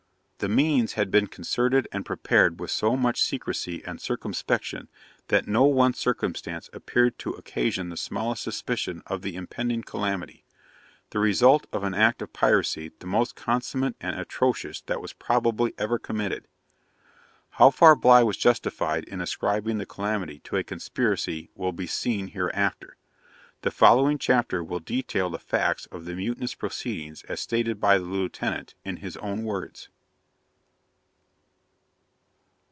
The means had been concerted and prepared with so much secrecy and circumspection, that no one circumstance appeared to occasion the smallest suspicion of the impending calamity, the result of an act of piracy the most consummate and atrocious that was probably ever committed.' How far Bligh was justified in ascribing the calamity to a conspiracy will be seen hereafter. The following chapter will detail the facts of the mutinous proceedings as stated by the Lieutenant, in his own words.